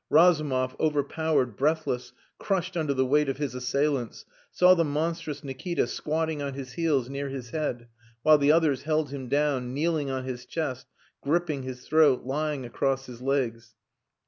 Razumov, overpowered, breathless, crushed under the weight of his assailants, saw the monstrous Nikita squatting on his heels near his head, while the others held him down, kneeling on his chest, gripping his throat, lying across his legs.